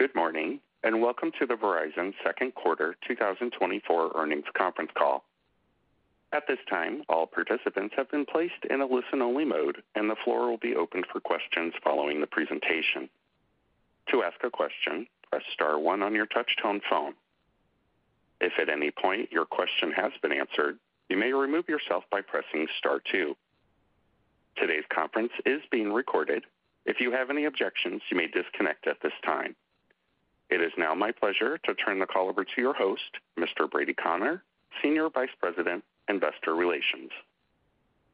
Good morning, and welcome to the Verizon Second Quarter 2024 Earnings Conference Call. At this time, all participants have been placed in a listen-only mode, and the floor will be open for questions following the presentation. To ask a question, press star one on your touch-tone phone. If at any point your question has been answered, you may remove yourself by pressing star two. Today's conference is being recorded. If you have any objections, you may disconnect at this time. It is now my pleasure to turn the call over to your host, Mr. Brady Connor, Senior Vice President, Investor Relations.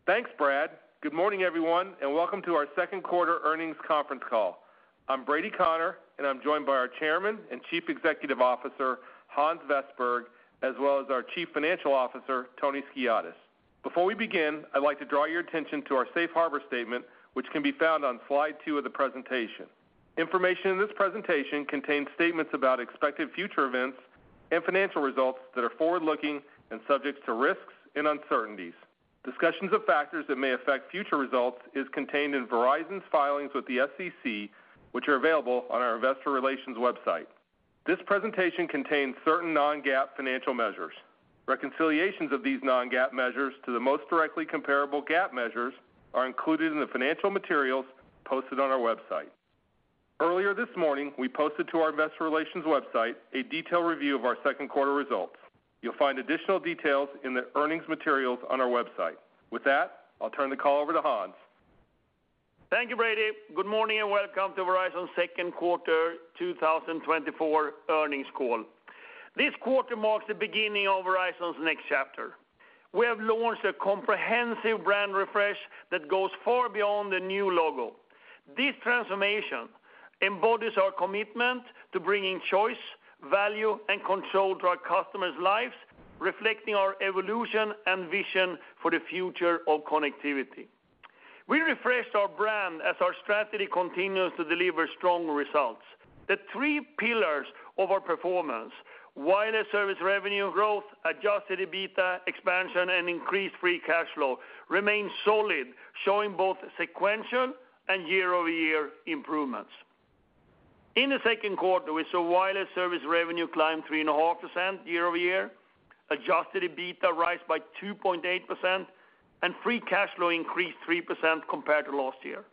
Thanks, Brad. Good morning, everyone, and welcome to our second quarter earnings conference call. I'm Brady Connor, and I'm joined by our Chairman and Chief Executive Officer, Hans Vestberg, as well as our Chief Financial Officer, Tony Skiadas. Before we begin, I'd like to draw your attention to our safe harbor statement, which can be found on slide two of the presentation. Information in this presentation contains statements about expected future events and financial results that are forward-looking and subject to risks and uncertainties. Discussions of factors that may affect future results is contained in Verizon's filings with the SEC, which are available on our investor relations website. This presentation contains certain non-GAAP financial measures. Reconciliations of these non-GAAP measures to the most directly comparable GAAP measures are included in the financial materials posted on our website. Earlier this morning, we posted to our investor relations website a detailed review of our second quarter results. You'll find additional details in the earnings materials on our website. With that, I'll turn the call over to Hans. Thank you, Brady. Good morning, and welcome to Verizon's Second Quarter 2024 Earnings Call. This quarter marks the beginning of Verizon's next chapter. We have launched a comprehensive brand refresh that goes far beyond the new logo. This transformation embodies our commitment to bringing choice, value, and control to our customers' lives, reflecting our evolution and vision for the future of connectivity. We refreshed our brand as our strategy continues to deliver strong results. The three pillars of our performance, wireless service revenue growth, Adjusted EBITDA expansion, and increased free cash flow, remain solid, showing both sequential and year-over-year improvements. In the second quarter, we saw wireless service revenue climb 3.5% year-over-year, Adjusted EBITDA rise by 2.8%, and free cash flow increased 3% compared to last year.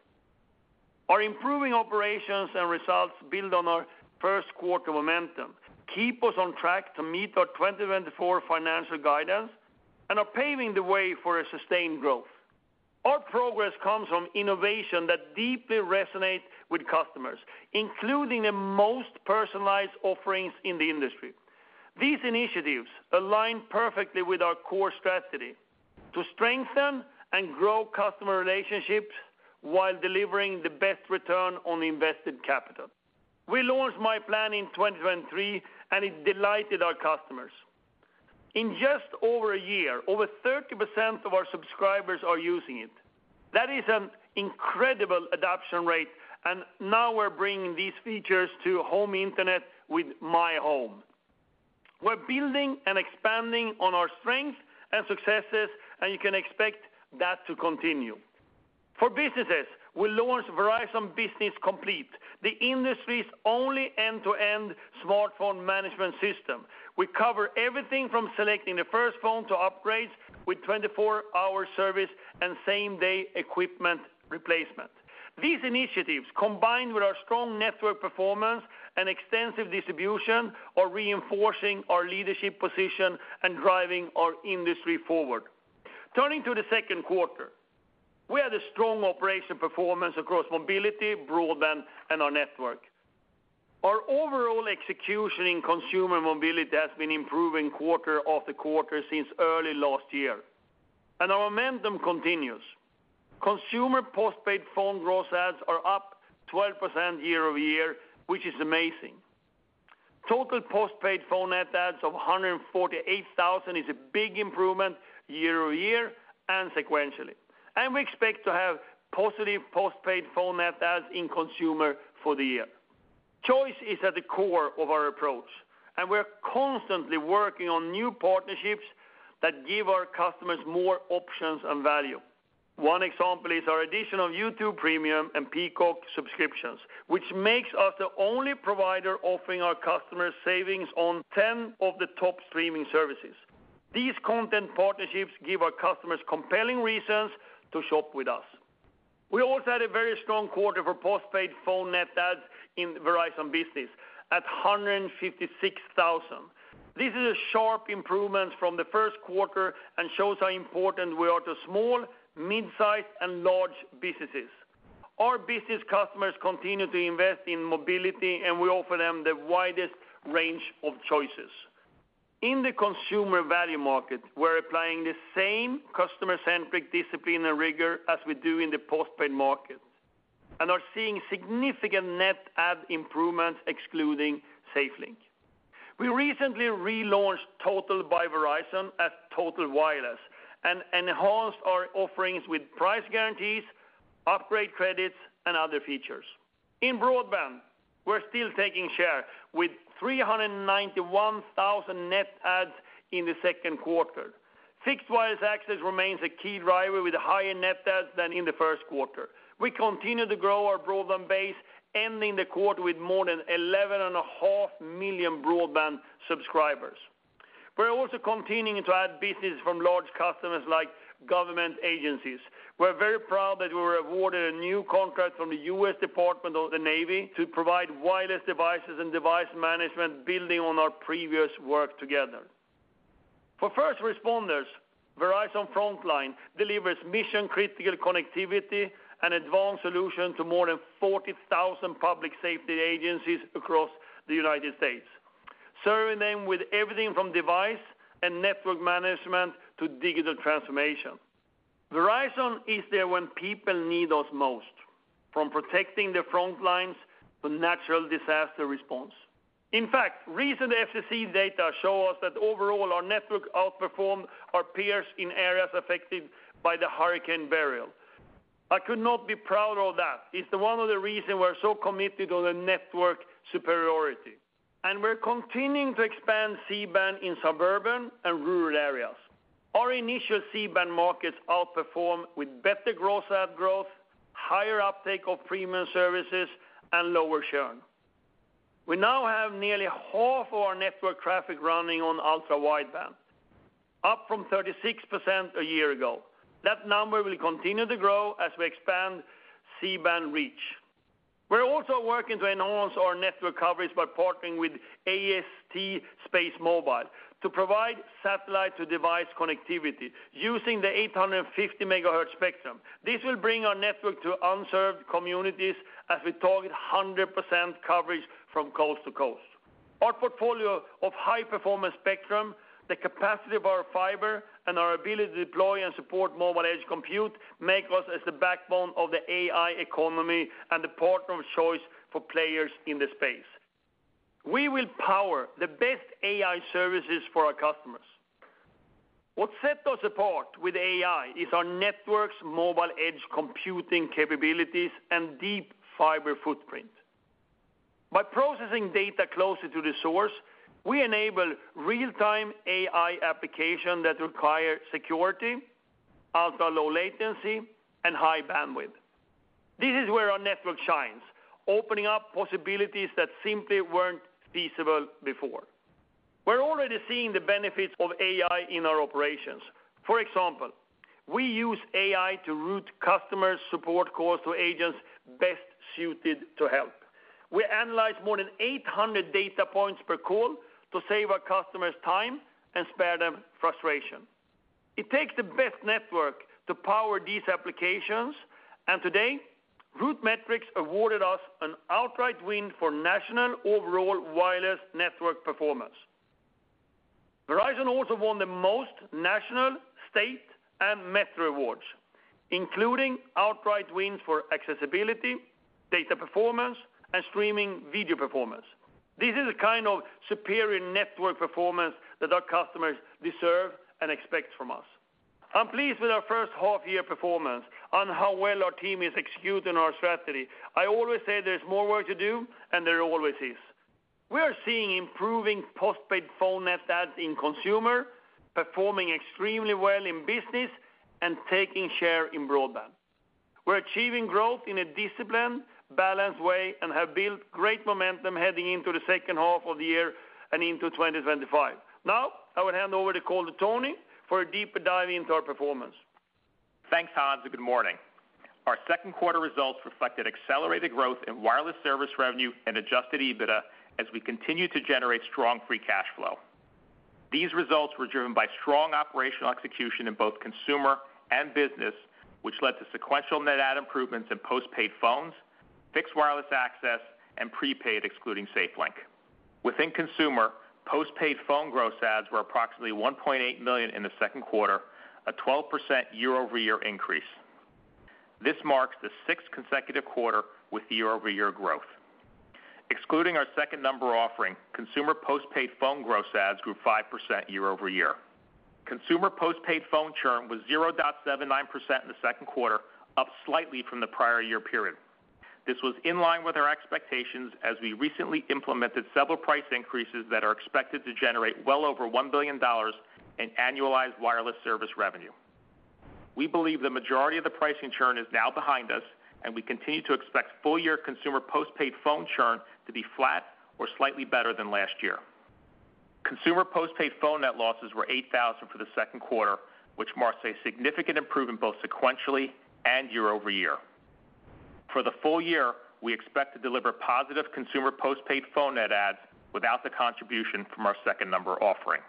Our improving operations and results build on our first quarter momentum, keep us on track to meet our 2024 financial guidance, and are paving the way for a sustained growth. Our progress comes from innovation that deeply resonates with customers, including the most personalized offerings in the industry. These initiatives align perfectly with our core strategy to strengthen and grow customer relationships while delivering the best return on invested capital. We launched myPlan in 2023, and it delighted our customers. In just over a year, over 30% of our subscribers are using it. That is an incredible adoption rate, and now we're bringing these features to home internet with myHome. We're building and expanding on our strengths and successes, and you can expect that to continue. For businesses, we launched Verizon Business Complete, the industry's only end-to-end smartphone management system. We cover everything from selecting the first phone to upgrades with 24-hour service and same-day equipment replacement. These initiatives, combined with our strong network performance and extensive distribution, are reinforcing our leadership position and driving our industry forward. Turning to the second quarter, we had a strong operational performance across mobility, broadband, and our network. Our overall execution in consumer mobility has been improving quarter after quarter since early last year, and our momentum continues. Consumer postpaid phone gross adds are up 12% year-over-year, which is amazing. Total postpaid phone net adds of 148,000 is a big improvement year-over-year and sequentially, and we expect to have positive postpaid phone net adds in consumer for the year. Choice is at the core of our approach, and we're constantly working on new partnerships that give our customers more options and value. One example is our addition of YouTube Premium and Peacock subscriptions, which makes us the only provider offering our customers savings on 10 of the top streaming services. These content partnerships give our customers compelling reasons to shop with us. We also had a very strong quarter for postpaid phone net adds in Verizon Business at 156,000. This is a sharp improvement from the first quarter and shows how important we are to small, mid-sized, and large businesses. Our business customers continue to invest in mobility, and we offer them the widest range of choices. In the consumer value market, we're applying the same customer-centric discipline and rigor as we do in the postpaid market and are seeing significant net add improvements, excluding SafeLink. We recently relaunched Total by Verizon as Total Wireless and enhanced our offerings with price guarantees, upgrade credits, and other features. In broadband, we're still taking share with 391,000 net adds in the second quarter. Fixed wireless access remains a key driver with higher net adds than in the first quarter. We continue to grow our broadband base, ending the quarter with more than 11.5 million broadband subscribers. We're also continuing to add business from large customers like government agencies. We're very proud that we were awarded a new contract from the U.S. Department of the Navy to provide wireless devices and device management, building on our previous work together. For first responders, Verizon Frontline delivers mission-critical connectivity and advanced solution to more than 40,000 public safety agencies across the United States, serving them with everything from device and network management to digital transformation. Verizon is there when people need us most, from protecting the frontlines to natural disaster response. In fact, recent FCC data show us that overall, our network outperformed our peers in areas affected by the Hurricane Beryl. I could not be prouder of that. It's the one of the reason we're so committed on the network superiority, and we're continuing to expand C-band in suburban and rural areas. Our initial C-band markets outperform with better gross add growth, higher uptake of premium services, and lower churn. We now have nearly half of our network traffic running on Ultra Wideband, up from 36% a year ago. That number will continue to grow as we expand C-band reach. We're also working to enhance our network coverage by partnering with AST SpaceMobile to provide satellite-to-device connectivity using the 850 MHz spectrum. This will bring our network to unserved communities as we target 100% coverage from coast to coast. Our portfolio of high-performance spectrum, the capacity of our fiber, and our ability to deploy and support mobile edge computing, make us as the backbone of the AI economy and the partner of choice for players in the space. We will power the best AI services for our customers. What sets us apart with AI is our network's mobile edge computing capabilities and deep fiber footprint. By processing data closer to the source, we enable real-time AI application that require security, ultra-low latency, and high bandwidth. This is where our network shines, opening up possibilities that simply weren't feasible before. We're already seeing the benefits of AI in our operations. For example, we use AI to route customer support calls to agents best suited to help. We analyze more than 800 data points per call to save our customers time and spare them frustration. It takes the best network to power these applications, and today, RootMetrics awarded us an outright win for national overall wireless network performance. Verizon also won the most national, state, and metro awards, including outright wins for accessibility, data performance, and streaming video performance. This is the kind of superior network performance that our customers deserve and expect from us. I'm pleased with our first half year performance on how well our team is executing our strategy. I always say there's more work to do, and there always is. We are seeing improving postpaid phone net adds in consumer, performing extremely well in business, and taking share in broadband. We're achieving growth in a disciplined, balanced way and have built great momentum heading into the second half of the year and into 2025. Now, I will hand over the call to Tony for a deeper dive into our performance. Thanks, Hans, and good morning. Our second quarter results reflected accelerated growth in wireless service revenue and Adjusted EBITDA as we continue to generate strong free cash flow. These results were driven by strong operational execution in both consumer and business, which led to sequential net add improvements in postpaid phones, fixed wireless access, and prepaid, excluding SafeLink. Within consumer, postpaid phone gross adds were approximately 1.8 million in the second quarter, a 12% year-over-year increase. This marks the sixth consecutive quarter with year-over-year growth. Excluding our Second Number offering, consumer postpaid phone gross adds grew 5% year-over-year. Consumer postpaid phone churn was 0.79% in the second quarter, up slightly from the prior year period. This was in line with our expectations, as we recently implemented several price increases that are expected to generate well over $1 billion in annualized wireless service revenue. We believe the majority of the pricing churn is now behind us, and we continue to expect full-year consumer postpaid phone churn to be flat or slightly better than last year. Consumer postpaid phone net losses were 8,000 for the second quarter, which marks a significant improvement, both sequentially and year-over-year. For the full year, we expect to deliver positive consumer postpaid phone net adds without the contribution from our Second Number offering.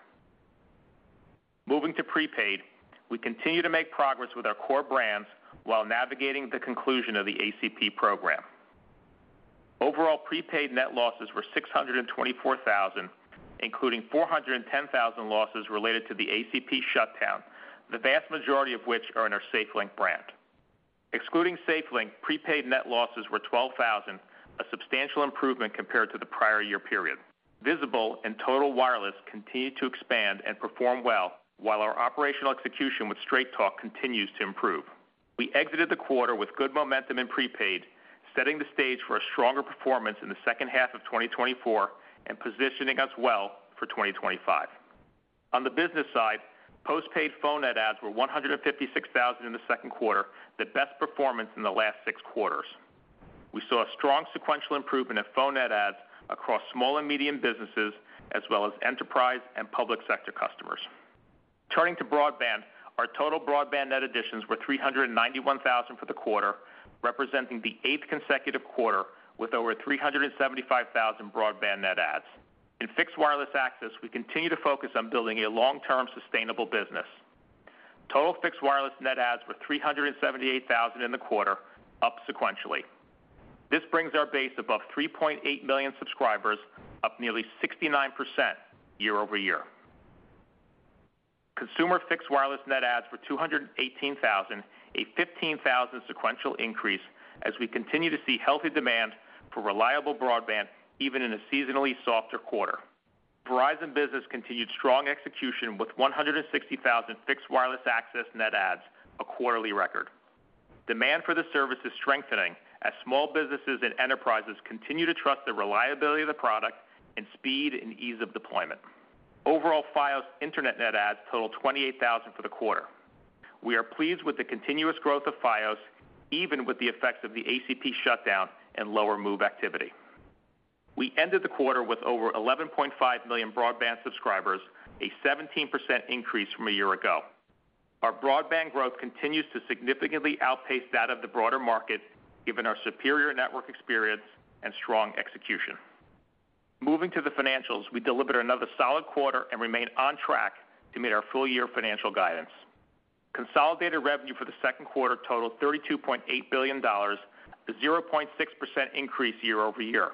Moving to prepaid, we continue to make progress with our core brands while navigating the conclusion of the ACP program. Overall, prepaid net losses were 624,000, including 410,000 losses related to the ACP shutdown, the vast majority of which are in our SafeLink brand. Excluding SafeLink, prepaid net losses were 12,000, a substantial improvement compared to the prior year period. Visible and Total Wireless continue to expand and perform well, while our operational execution with Straight Talk continues to improve. We exited the quarter with good momentum in prepaid, setting the stage for a stronger performance in the second half of 2024 and positioning us well for 2025. On the business side, postpaid phone net adds were 156,000 in the second quarter, the best performance in the last 6 quarters. We saw a strong sequential improvement in phone net adds across small and medium businesses, as well as enterprise and public sector customers. Turning to broadband, our total broadband net additions were 391,000 for the quarter, representing the eighth consecutive quarter with over 375,000 broadband net adds. In fixed wireless access, we continue to focus on building a long-term, sustainable business. Total fixed wireless net adds were 378,000 in the quarter, up sequentially. This brings our base above 3.8 million subscribers, up nearly 69% year-over-year. Consumer fixed wireless net adds were 218,000, a 15,000 sequential increase, as we continue to see healthy demand for reliable broadband, even in a seasonally softer quarter. Verizon Business continued strong execution with 160,000 fixed wireless access net adds, a quarterly record. Demand for the service is strengthening as small businesses and enterprises continue to trust the reliability of the product and speed and ease of deployment. Overall, Fios Internet net adds totaled 28,000 for the quarter. We are pleased with the continuous growth of Fios, even with the effects of the ACP shutdown and lower move activity. We ended the quarter with over 11.5 million broadband subscribers, a 17% increase from a year ago. Our broadband growth continues to significantly outpace that of the broader market, given our superior network experience and strong execution. Moving to the financials, we delivered another solid quarter and remain on track to meet our full-year financial guidance. Consolidated revenue for the second quarter totaled $32.8 billion, a 0.6% increase year-over-year.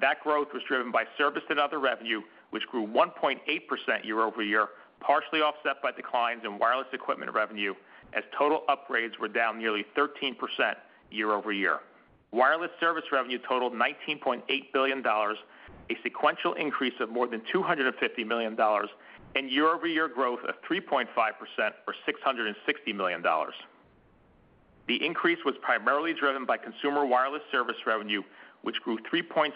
That growth was driven by service and other revenue, which grew 1.8% year-over-year, partially offset by declines in wireless equipment revenue, as total upgrades were down nearly 13% year-over-year. Wireless service revenue totaled $19.8 billion, a sequential increase of more than $250 million, and year-over-year growth of 3.5%, or $660 million. The increase was primarily driven by consumer wireless service revenue, which grew 3.7%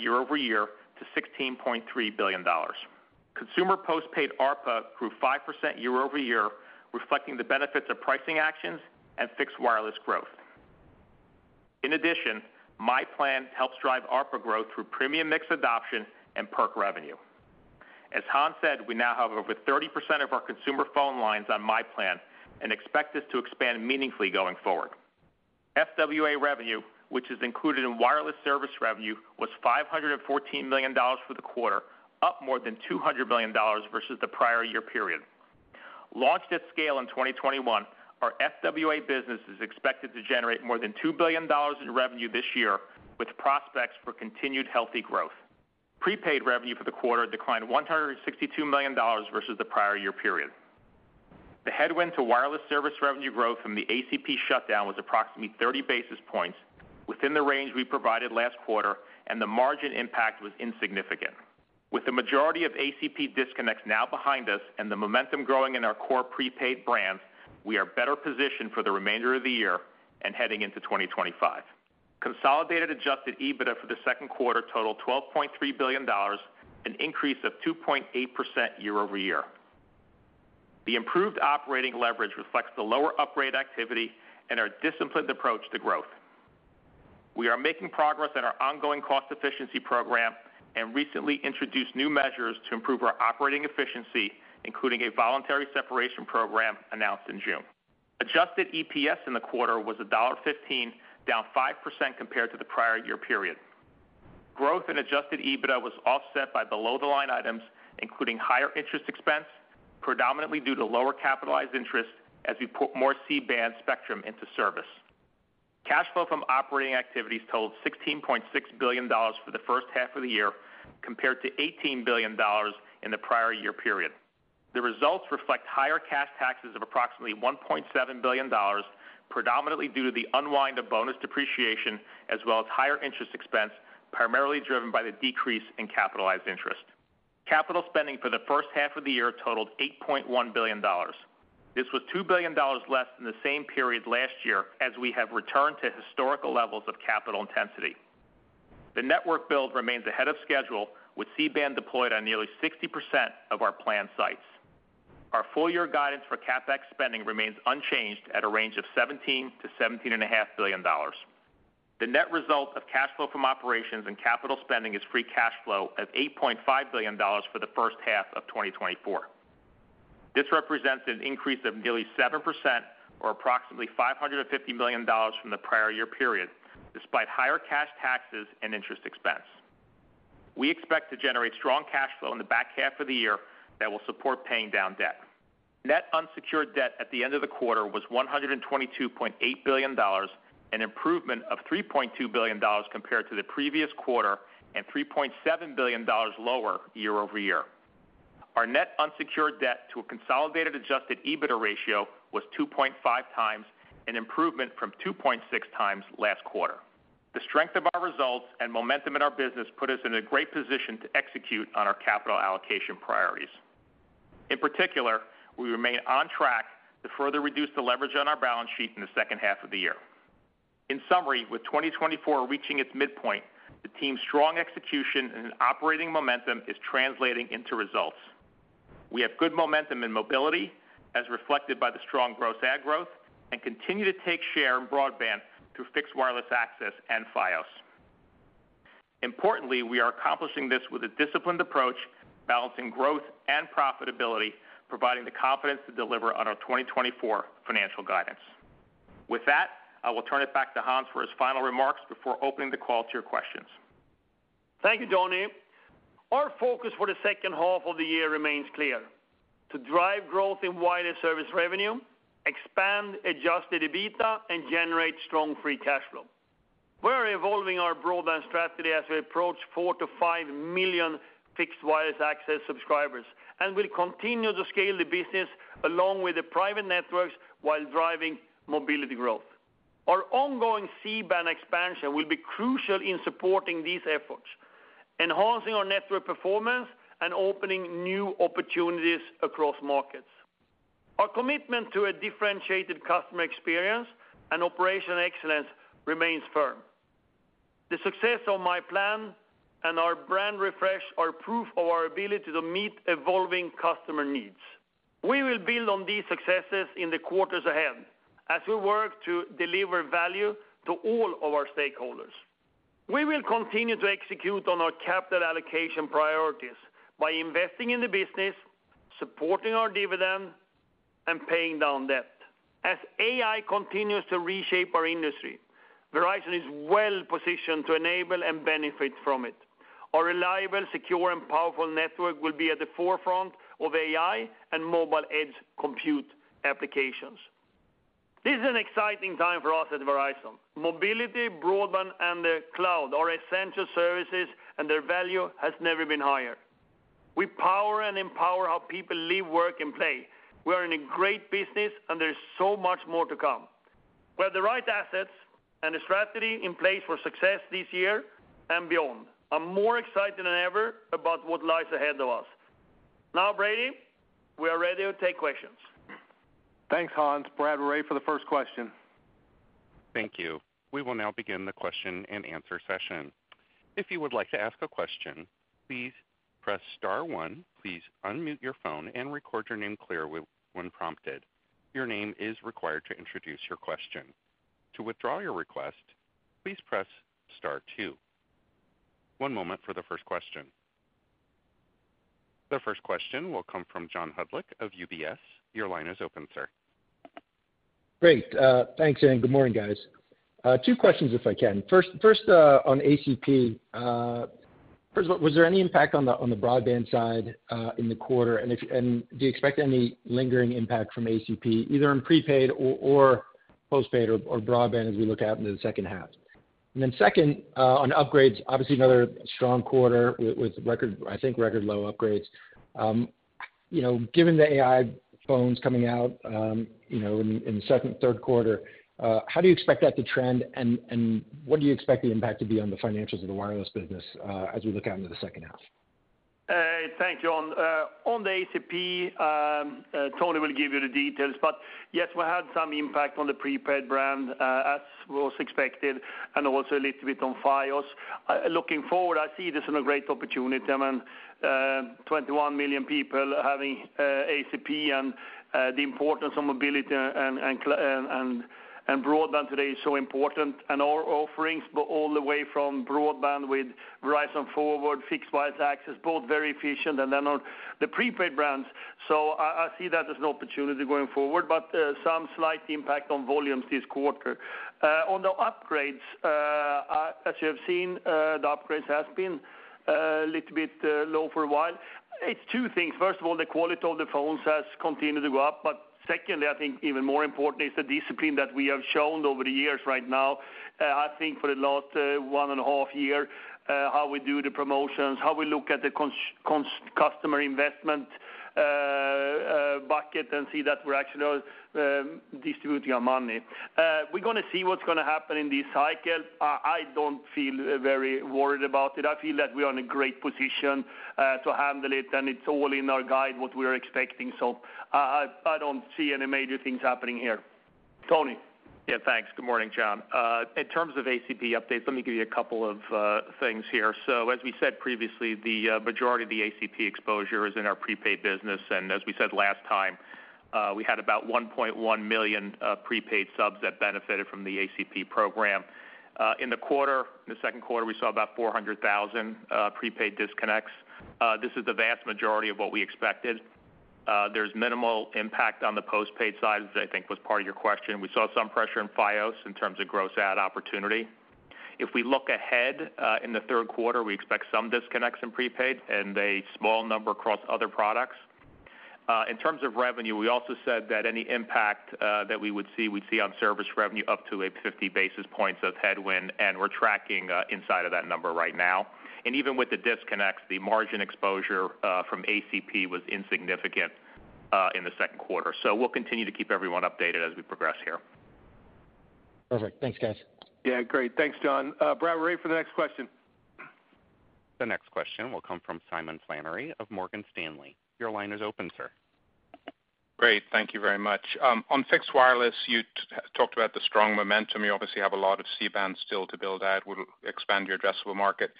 year-over-year to $16.3 billion. Consumer postpaid ARPA grew 5% year-over-year, reflecting the benefits of pricing actions and fixed wireless growth. In addition, myPlan helps drive ARPA growth through premium mix adoption and perk revenue. As Hans said, we now have over 30% of our consumer phone lines on myPlan and expect this to expand meaningfully going forward. FWA revenue, which is included in wireless service revenue, was $514 million for the quarter, up more than $200 million versus the prior year period. Launched at scale in 2021, our FWA business is expected to generate more than $2 billion in revenue this year, with prospects for continued healthy growth. Prepaid revenue for the quarter declined $162 million versus the prior year period. The headwind to wireless service revenue growth from the ACP shutdown was approximately 30 basis points, within the range we provided last quarter, and the margin impact was insignificant. With the majority of ACP disconnects now behind us and the momentum growing in our core prepaid brands, we are better positioned for the remainder of the year and heading into 2025. Consolidated adjusted EBITDA for the second quarter totaled $12.3 billion, an increase of 2.8% year-over-year. The improved operating leverage reflects the lower upgrade activity and our disciplined approach to growth. We are making progress in our ongoing cost efficiency program and recently introduced new measures to improve our operating efficiency, including a voluntary separation program announced in June. Adjusted EPS in the quarter was $1.15, down 5% compared to the prior year period. Growth in adjusted EBITDA was offset by below-the-line items, including higher interest expense, predominantly due to lower capitalized interest as we put more C-band spectrum into service. Cash flow from operating activities totaled $16.6 billion for the first half of the year, compared to $18 billion in the prior year period. The results reflect higher cash taxes of approximately $1.7 billion, predominantly due to the unwind of bonus depreciation, as well as higher interest expense, primarily driven by the decrease in capitalized interest. Capital spending for the first half of the year totaled $8.1 billion. This was $2 billion less than the same period last year, as we have returned to historical levels of capital intensity. The network build remains ahead of schedule, with C-band deployed on nearly 60% of our planned sites. Our full-year guidance for CapEx spending remains unchanged at a range of $17 billion-$17.5 billion. The net result of cash flow from operations and capital spending is free cash flow of $8.5 billion for the first half of 2024. This represents an increase of nearly 7% or approximately $550 million from the prior year period, despite higher cash taxes and interest expense. We expect to generate strong cash flow in the back half of the year that will support paying down debt. Net unsecured debt at the end of the quarter was $122.8 billion, an improvement of $3.2 billion compared to the previous quarter and $3.7 billion lower year-over-year. Our net unsecured debt to a consolidated adjusted EBITDA ratio was 2.5 times, an improvement from 2.6 times last quarter. The strength of our results and momentum in our business put us in a great position to execute on our capital allocation priorities. In particular, we remain on track to further reduce the leverage on our balance sheet in the second half of the year. In summary, with 2024 reaching its midpoint, the team's strong execution and operating momentum is translating into results. We have good momentum in mobility, as reflected by the strong gross adds growth, and continue to take share in broadband through fixed wireless access and Fios. Importantly, we are accomplishing this with a disciplined approach, balancing growth and profitability, providing the confidence to deliver on our 2024 financial guidance. With that, I will turn it back to Hans for his final remarks before opening the call to your questions. Thank you, Tony. Our focus for the second half of the year remains clear, to drive growth in wireless service revenue, expand Adjusted EBITDA, and generate strong free cash flow. We are evolving our broadband strategy as we approach 4 million to 5 million fixed wireless access subscribers, and we'll continue to scale the business along with the private networks while driving mobility growth. Our ongoing C-band expansion will be crucial in supporting these efforts, enhancing our network performance and opening new opportunities across markets. Our commitment to a differentiated customer experience and operational excellence remains firm. The success of myPlan and our brand refresh are proof of our ability to meet evolving customer needs. We will build on these successes in the quarters ahead as we work to deliver value to all of our stakeholders. We will continue to execute on our capital allocation priorities by investing in the business, supporting our dividend, and paying down debt. As AI continues to reshape our industry, Verizon is well positioned to enable and benefit from it. Our reliable, secure, and powerful network will be at the forefront of AI and mobile edge compute applications. This is an exciting time for us at Verizon. Mobility, broadband, and the cloud are essential services, and their value has never been higher. We power and empower how people live, work, and play. We are in a great business, and there is so much more to come. We have the right assets and a strategy in place for success this year and beyond. I'm more excited than ever about what lies ahead of us. Now, Brady, we are ready to take questions. Thanks, Hans. Brad, we're ready for the first question. Thank you. We will now begin the question-and-answer session. If you would like to ask a question, please press star one. Please unmute your phone and record your name clearly when prompted. Your name is required to introduce your question. To withdraw your request, please press star two. One moment for the first question. The first question will come from John Hodulik of UBS. Your line is open, sir. Great. Thanks, and good morning, guys. Two questions, if I can. First, on ACP. First of all, was there any impact on the broadband side in the quarter? And do you expect any lingering impact from ACP, either in prepaid or postpaid or broadband as we look out into the second half? And then second, on upgrades, obviously another strong quarter with record, I think, record low upgrades. You know, given the AI phones coming out, you know, in the second, third quarter, how do you expect that to trend, and what do you expect the impact to be on the financials of the wireless business as we look out into the second half? Thank you, John. On the ACP, Tony will give you the details, but yes, we had some impact on the prepaid brand, as was expected, and also a little bit on Fios. Looking forward, I see this as a great opportunity. I mean, 21 million people having ACP and the importance of mobility and broadband today is so important, and our offerings go all the way from broadband with Verizon Forward, fixed wireless access, both very efficient, and then on the prepaid brands. So I see that as an opportunity going forward, but some slight impact on volumes this quarter. On the upgrades, as you have seen, the upgrades has been a little bit low for a while. It's two things. First of all, the quality of the phones has continued to go up, but secondly, I think even more important is the discipline that we have shown over the years right now. I think for the last 1/2 years, how we do the promotions, how we look at the customer investment bucket, and see that we're actually distributing our money. We're gonna see what's gonna happen in this cycle. I don't feel very worried about it. I feel that we are in a great position to handle it, and it's all in our guide, what we're expecting. So I don't see any major things happening here. Tony? Yeah, thanks. Good morning, John. In terms of ACP updates, let me give you a couple of things here. So as we said previously, the majority of the ACP exposure is in our prepaid business, and as we said last time, we had about 1.1 million prepaid subs that benefited from the ACP program. In the quarter, in the second quarter, we saw about 400,000 prepaid disconnects. This is the vast majority of what we expected. There's minimal impact on the postpaid side, I think was part of your question. We saw some pressure in Fios in terms of gross add opportunity. If we look ahead, in the third quarter, we expect some disconnects in prepaid and a small number across other products. In terms of revenue, we also said that any impact that we would see, we'd see on service revenue up to 50 basis points of headwind, and we're tracking inside of that number right now. And even with the disconnects, the margin exposure from ACP was insignificant in the second quarter. So we'll continue to keep everyone updated as we progress here. Perfect. Thanks, guys. Yeah, great. Thanks, John. Brad, we're ready for the next question. The next question will come from Simon Flannery of Morgan Stanley. Your line is open, sir. Great, thank you very much. On fixed wireless, you talked about the strong momentum. You obviously have a lot of C-band still to build out, would expand your addressable market. You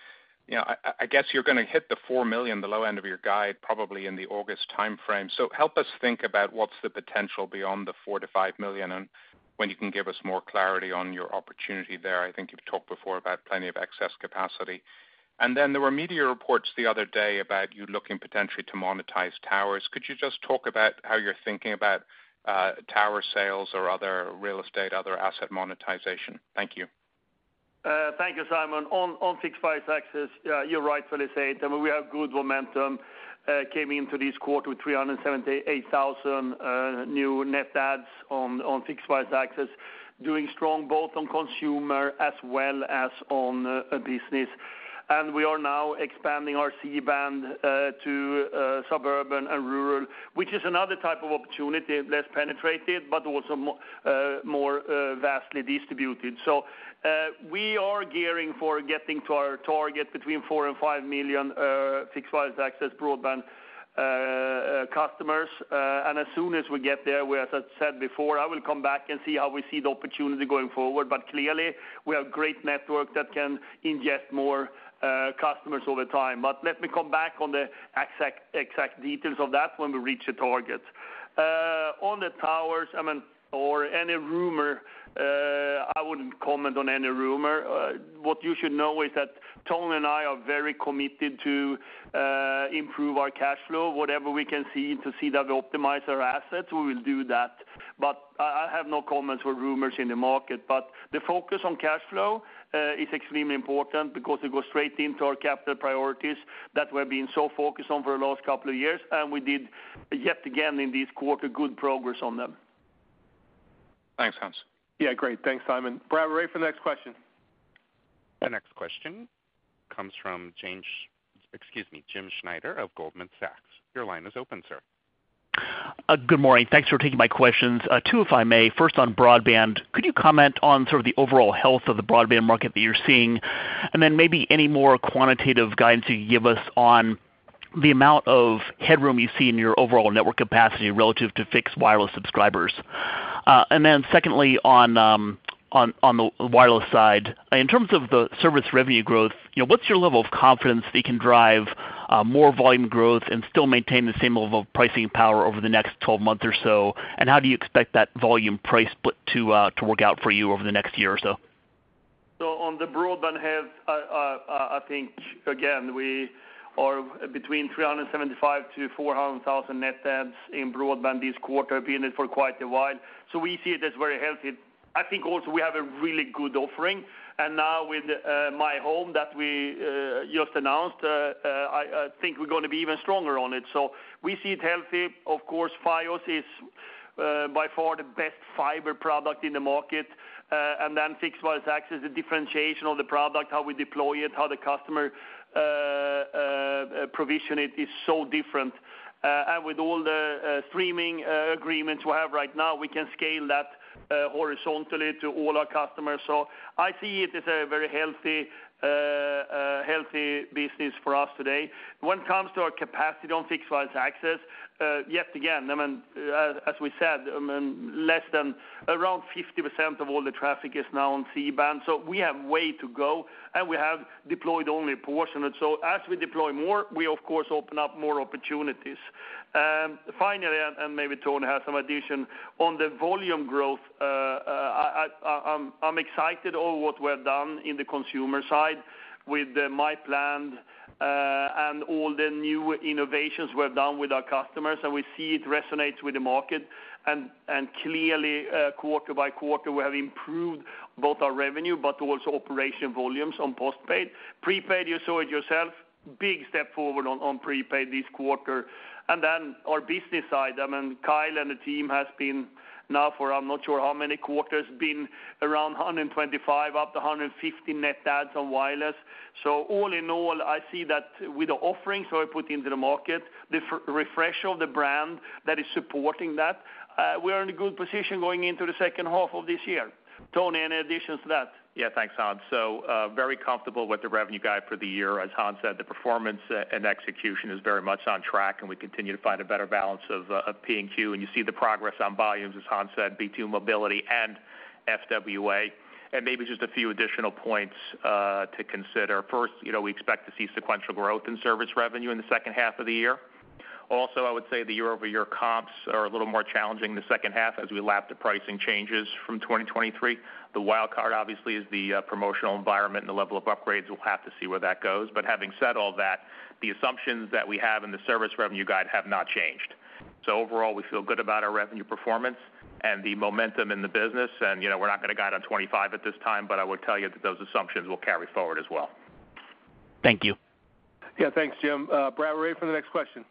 know, I guess you're gonna hit the 4 million, the low end of your guide, probably in the August timeframe. So help us think about what's the potential beyond the 4 million to 5 million, and when you can give us more clarity on your opportunity there. I think you've talked before about plenty of excess capacity. And then there were media reports the other day about you looking potentially to monetize towers. Could you just talk about how you're thinking about tower sales or other real estate, other asset monetization? Thank you. Thank you, Simon. On fixed wireless access, you're right, Flannery said, I mean, we have good momentum. Came into this quarter with 378,000 new net adds on fixed wireless access, doing strong both on consumer as well as on business. And we are now expanding our C-band to suburban and rural, which is another type of opportunity, less penetrated, but also more vastly distributed. So, we are gearing for getting to our target between 4 million to 5 million fixed wireless access broadband customers. And as soon as we get there, we, as I said before, I will come back and see how we see the opportunity going forward. But clearly, we have great network that can ingest more customers over time. But let me come back on the exact, exact details of that when we reach the target. On the towers, I mean, or any rumor, I wouldn't comment on any rumor. What you should know is that Tony and I are very committed to improve our cash flow, whatever we can see, to see that we optimize our assets, we will do that. But I have no comments or rumors in the market, but the focus on cash flow is extremely important because it goes straight into our capital priorities that we're being so focused on for the last couple of years, and we did, yet again, in this quarter, good progress on them. Thanks, Hans. Yeah, great. Thanks, Simon. Brady, we're ready for the next question. The next question comes from James, excuse me, Jim Schneider of Goldman Sachs. Your line is open, sir. Good morning. Thanks for taking my questions. Two, if I may. First, on broadband, could you comment on sort of the overall health of the broadband market that you're seeing? And then maybe any more quantitative guidance you can give us on the amount of headroom you see in your overall network capacity relative to fixed wireless subscribers. And then secondly, on the wireless side, in terms of the service revenue growth, you know, what's your level of confidence that you can drive more volume growth and still maintain the same level of pricing power over the next 12 months or so? And how do you expect that volume price split to work out for you over the next year or so? So on the broadband health, I think, again, we are between 375,000 to 400,000 net adds in broadband this quarter, been in it for quite a while. So we see it as very healthy. I think also we have a really good offering. And now with myHome that we just announced, I think we're gonna be even stronger on it. So we see it healthy. Of course, Fios is by far the best fiber product in the market, and then fixed wireless access, the differentiation of the product, how we deploy it, how the customer provision it, is so different. And with all the streaming agreements we have right now, we can scale that horizontally to all our customers. So I see it as a very healthy business for us today. When it comes to our capacity on fixed wireless access, yet again, I mean, as we said, I mean, less than around 50% of all the traffic is now on C-band, so we have way to go, and we have deployed only a portion of it. So as we deploy more, we of course open up more opportunities. Finally, and maybe Tony has some addition, on the volume growth, I'm excited on what we've done in the consumer side with myPlan, and all the new innovations we've done with our customers, and we see it resonates with the market. And clearly, quarter by quarter, we have improved both our revenue, but also operation volumes on postpaid. Prepaid, you saw it yourself, big step forward on prepaid this quarter. And then our business side, I mean, Kyle and the team has been now for, I'm not sure how many quarters, been around 125 up to 150 net adds on wireless. So all in all, I see that with the offerings we put into the market, the re-refresh of the brand that is supporting that, we are in a good position going into the second half of this year. Tony, any additions to that? Yeah, thanks, Hans. So, very comfortable with the revenue guide for the year. As Hans said, the performance, and execution is very much on track, and we continue to find a better balance of P&Q, and you see the progress on volumes, as Hans said, B2 mobility and FWA. And maybe just a few additional points, to consider. First, you know, we expect to see sequential growth in service revenue in the second half of the year. Also, I would say the year-over-year comps are a little more challenging in the second half as we lap the pricing changes from 2023. The wild card, obviously, is the, promotional environment and the level of upgrades. We'll have to see where that goes. But having said all that, the assumptions that we have in the service revenue guide have not changed. Overall, we feel good about our revenue performance and the momentum in the business, and, you know, we're not gonna guide on 2025 at this time, but I would tell you that those assumptions will carry forward as well. Thank you. Yeah, thanks, Jim. Brad, we're ready for the next question.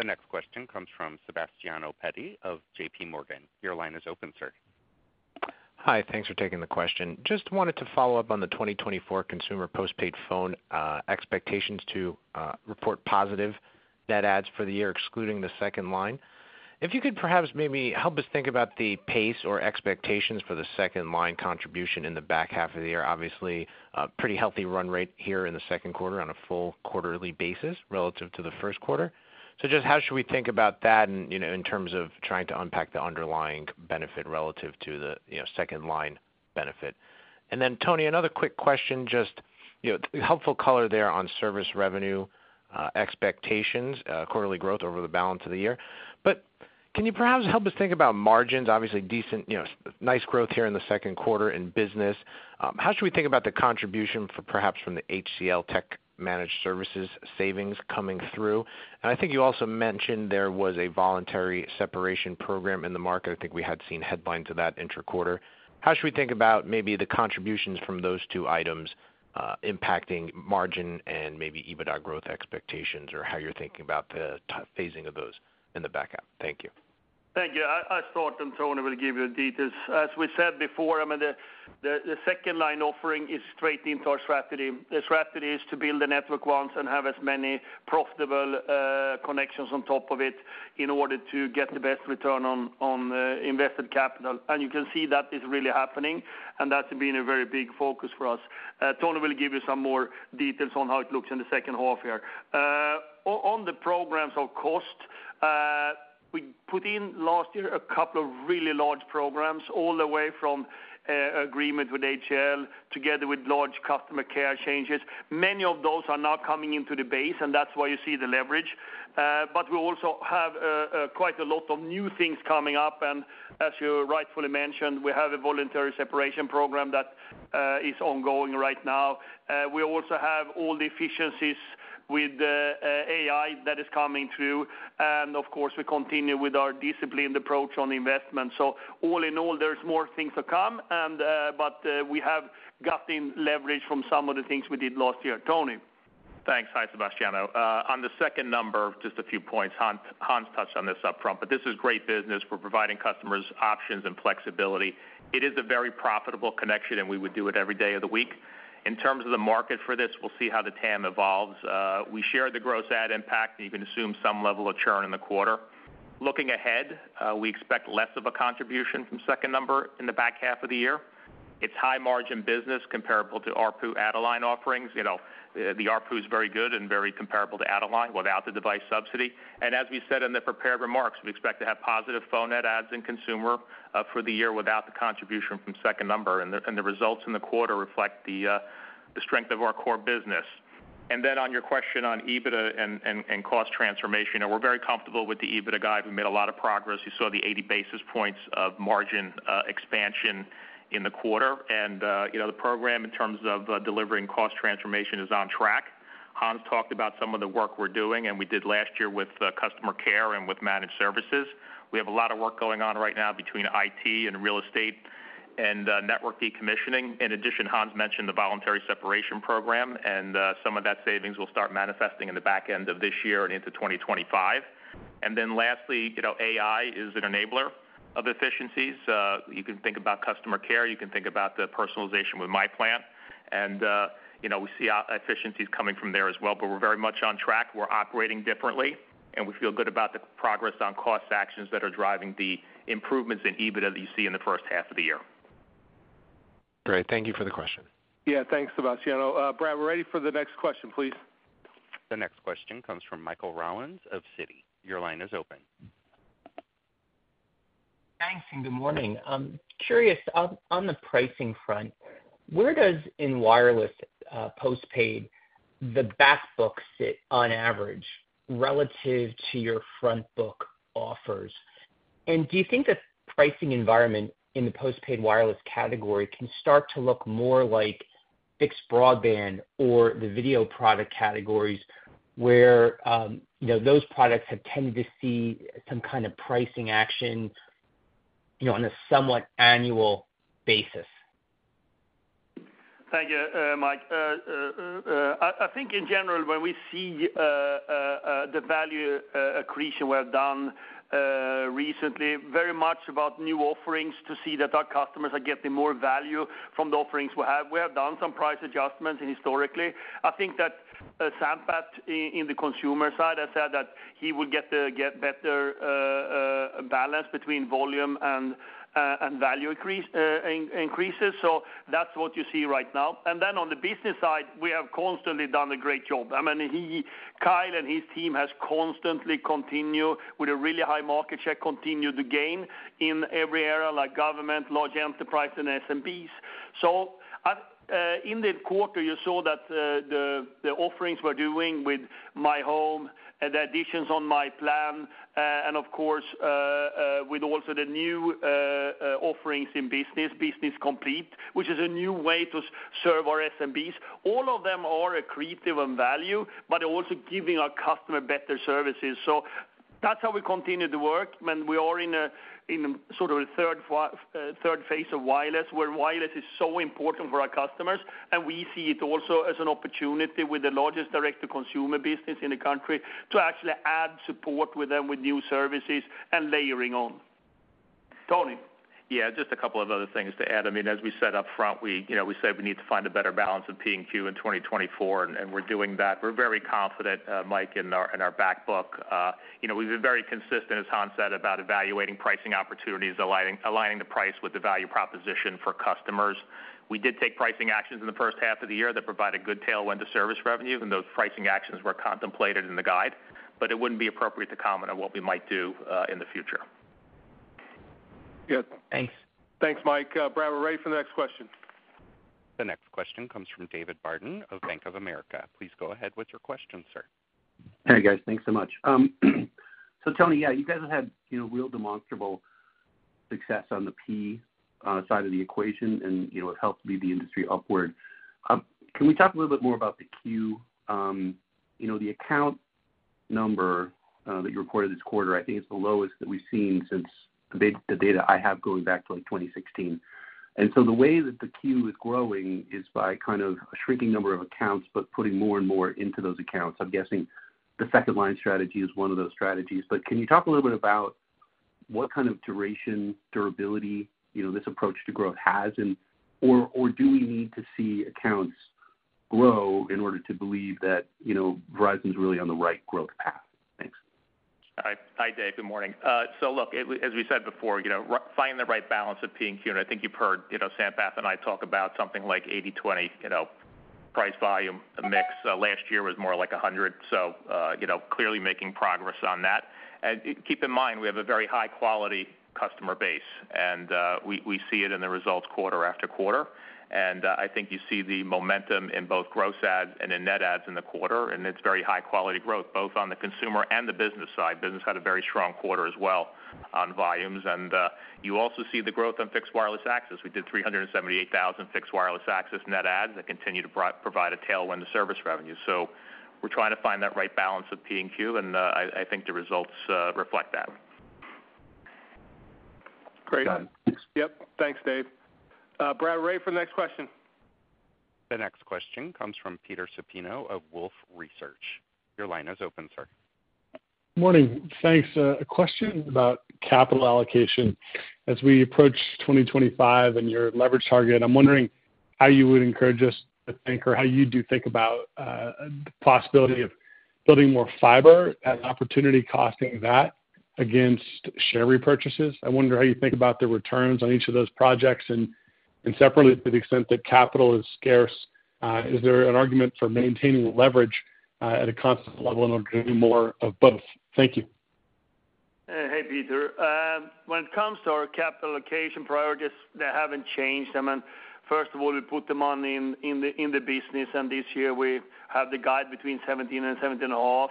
The next question comes from Sebastiano Petti of J.P. Morgan. Your line is open, sir.... Hi, thanks for taking the question. Just wanted to follow up on the 2024 consumer postpaid phone expectations to report positive net adds for the year, excluding the second line. If you could perhaps maybe help us think about the pace or expectations for the second line contribution in the back half of the year. Obviously, a pretty healthy run rate here in the second quarter on a full quarterly basis relative to the first quarter. So just how should we think about that and, you know, in terms of trying to unpack the underlying benefit relative to the, you know, second line benefit? And then, Tony, another quick question. Just, you know, helpful color there on service revenue expectations, quarterly growth over the balance of the year. But can you perhaps help us think about margins? Obviously, decent, you know, nice growth here in the second quarter in business. How should we think about the contribution for perhaps from the HCLTech Managed Services savings coming through? And I think you also mentioned there was a voluntary separation program in the market. I think we had seen headlines of that inter-quarter. How should we think about maybe the contributions from those two items, impacting margin and maybe EBITDA growth expectations, or how you're thinking about the phasing of those in the back half? Thank you. Thank you. I'll start, and Tony will give you the details. As we said before, I mean, the second line offering is straight into our strategy. The strategy is to build the network once and have as many profitable connections on top of it in order to get the best return on invested capital. And you can see that is really happening, and that's been a very big focus for us. Tony will give you some more details on how it looks in the second half here. On the programs of cost, we put in last year a couple of really large programs, all the way from agreement with HCL, together with large customer care changes. Many of those are now coming into the base, and that's why you see the leverage. But we also have quite a lot of new things coming up, and as you rightfully mentioned, we have a Voluntary Separation Program that is ongoing right now. We also have all the efficiencies with AI that is coming through, and of course, we continue with our disciplined approach on investment. So all in all, there's more things to come, and we have gotten leverage from some of the things we did last year. Tony? Thanks. Hi, Sebastiano. On the Second Number, just a few points. Hans touched on this up front, but this is great business. We're providing customers options and flexibility. It is a very profitable connection, and we would do it every day of the week. In terms of the market for this, we'll see how the TAM evolves. We share the gross add impact, and you can assume some level of churn in the quarter. Looking ahead, we expect less of a contribution from Second Number in the back half of the year. It's high-margin business, comparable to ARPU add-a-line offerings. You know, the ARPU is very good and very comparable to add-a-line without the device subsidy. As we said in the prepared remarks, we expect to have positive phone net adds in consumer for the year without the contribution from Second Number, and the results in the quarter reflect the strength of our core business. And then on your question on EBITDA and cost transformation, and we're very comfortable with the EBITDA guide. We made a lot of progress. You saw the 80 basis points of margin expansion in the quarter. And, you know, the program, in terms of delivering cost transformation, is on track. Hans talked about some of the work we're doing and we did last year with customer care and with managed services. We have a lot of work going on right now between IT and real estate and network decommissioning. In addition, Hans mentioned the voluntary separation program, and some of that savings will start manifesting in the back end of this year and into 2025. And then lastly, you know, AI is an enabler of efficiencies. You can think about customer care, you can think about the personalization with myPlan, and, you know, we see efficiencies coming from there as well. But we're very much on track. We're operating differently, and we feel good about the progress on cost actions that are driving the improvements in EBITDA that you see in the first half of the year. Great. Thank you for the question. Yeah, thanks, Sebastiano. Brad, we're ready for the next question, please. The next question comes from Michael Rollins of Citi. Your line is open. Thanks, and good morning. I'm curious, on the pricing front, where does in wireless postpaid the back book sit on average relative to your front book offers? And do you think the pricing environment in the postpaid wireless category can start to look more like fixed broadband or the video product categories, where you know those products have tended to see some kind of pricing action, you know, on a somewhat annual basis? Thank you, Mike. I think in general, when we see the value accretion we have done recently, very much about new offerings to see that our customers are getting more value from the offerings we have. We have done some price adjustments historically. I think that Sampath in the consumer side has said that he would get the better balance between volume and value increases, so that's what you see right now. And then on the business side, we have constantly done a great job. I mean, he, Kyle and his team has constantly continued with a really high market share, continued to gain in every area, like government, large enterprise, and SMBs. So I've in the quarter, you saw that the offerings we're doing with myHome and the additions on myPlan, and of course, with also the new offerings in business, Business Complete, which is a new way to serve our SMBs. All of them are accretive in value, but also giving our customer better services. So that's how we continue to work, and we are in sort of a third phase of wireless, where wireless is so important for our customers, and we see it also as an opportunity with the largest direct-to-consumer business in the country to actually add support with them with new services and layering on Tony? Yeah, just a couple of other things to add. I mean, as we said up front, we, you know, we said we need to find a better balance of P&Q in 2024, and, and we're doing that. We're very confident, Mike, in our, in our back book. You know, we've been very consistent, as Hans said, about evaluating pricing opportunities, aligning, aligning the price with the value proposition for customers. We did take pricing actions in the first half of the year that provided good tailwind to service revenues, and those pricing actions were contemplated in the guide, but it wouldn't be appropriate to comment on what we might do, in the future. Good. Thanks. Thanks, Mike. Brad, we're ready for the next question. The next question comes from David Barden of Bank of America. Please go ahead with your question, sir. Hey, guys. Thanks so much. So Tony, yeah, you guys have had, you know, real demonstrable success on the P, side of the equation, and, you know, it helped lead the industry upward. Can we talk a little bit more about the Q? You know, the account number, that you reported this quarter, I think it's the lowest that we've seen since the data I have going back to, like, 2016. And so the way that the Q is growing is by kind of a shrinking number of accounts, but putting more and more into those accounts. I'm guessing the second line strategy is one of those strategies. But can you talk a little bit about what kind of duration, durability, you know, this approach to growth has and... Do we need to see accounts grow in order to believe that, you know, Verizon's really on the right growth path? Thanks. Hi, hi, Dave. Good morning. So look, as we said before, you know, finding the right balance of P&Q, and I think you've heard, you know, Sampath and I talk about something like 80/20, you know, price volume mix. Last year was more like 100, so, you know, clearly making progress on that. And keep in mind, we have a very high-quality customer base, and, we see it in the results quarter after quarter. And, I think you see the momentum in both gross adds and in net adds in the quarter, and it's very high-quality growth, both on the consumer and the business side. Business had a very strong quarter as well on volumes, and, you also see the growth on fixed wireless access. We did 378,000 fixed wireless access net adds that continue to provide a tailwind to service revenue. We're trying to find that right balance of P&Q, and I think the results reflect that. Great. Got it. Yep. Thanks, Dave. Brad, we're ready for the next question. The next question comes from Peter Supino of Wolfe Research. Your line is open, sir. Morning. Thanks. A question about capital allocation. As we approach 2025 and your leverage target, I'm wondering how you would encourage us to think or how you do think about the possibility of building more fiber and opportunity costing that against share repurchases? I wonder how you think about the returns on each of those projects, and, and separately, to the extent that capital is scarce, is there an argument for maintaining leverage at a constant level in order to do more of both? Thank you. Hey, Peter. When it comes to our capital allocation priorities, they haven't changed. I mean, first of all, we put the money in the business, and this year we have the guide between 17 and 17.5. So,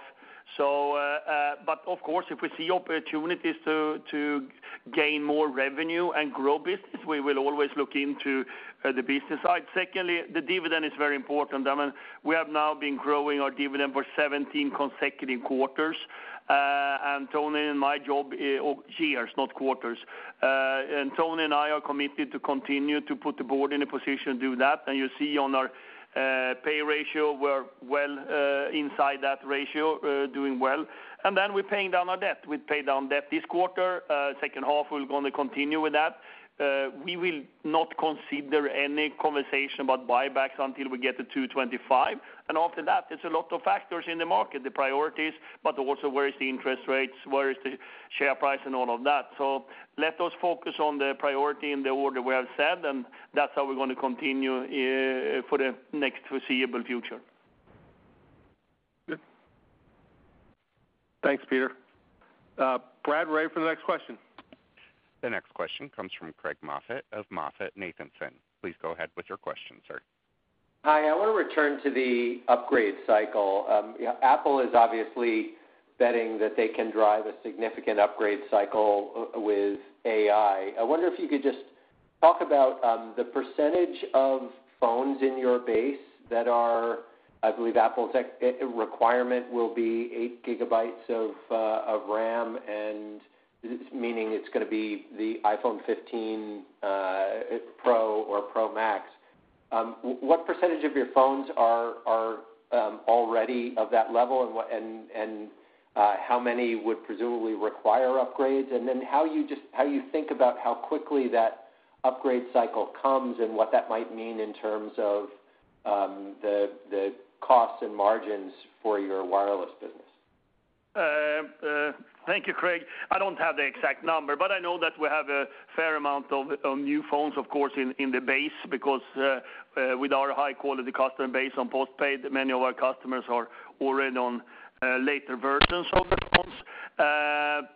but of course, if we see opportunities to gain more revenue and grow business, we will always look into the business side. Secondly, the dividend is very important. I mean, we have now been growing our dividend for 17 consecutive years, not quarters. And Tony and I are committed to continue to put the board in a position to do that, and you see on our leverage ratio, we're well inside that ratio, doing well. And then we're paying down our debt. We paid down debt this quarter. Second half, we're gonna continue with that. We will not consider any conversation about buybacks until we get to 2.25, and after that, there's a lot of factors in the market, the priorities, but also where is the interest rates, where is the share price, and all of that. So let us focus on the priority and the order well said, and that's how we're gonna continue, for the next foreseeable future. Good. Thanks, Peter. Brad, we're ready for the next question. The next question comes from Craig Moffett of MoffettNathanson. Please go ahead with your question, sir. Hi, I wanna return to the upgrade cycle. You know, Apple is obviously betting that they can drive a significant upgrade cycle with AI. I wonder if you could just talk about the percentage of phones in your base that are... I believe Apple's requirement will be 8 gigabytes of RAM, and meaning it's gonna be the iPhone 15 Pro or Pro Max. What percentage of your phones are already of that level, and how many would presumably require upgrades? And then how you think about how quickly that upgrade cycle comes and what that might mean in terms of the costs and margins for your wireless business. Thank you, Craig. I don't have the exact number, but I know that we have a fair amount of new phones, of course, in the base, because with our high-quality customer base on postpaid, many of our customers are already on later versions of the phones.